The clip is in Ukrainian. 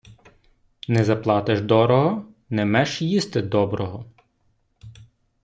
Не заплатиш дорого, не меш їсти доброго.